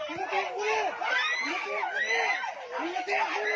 แม่ภาพ